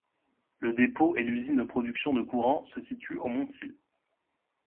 Le dépôt et l'usine de production de courant se situent aux Montils.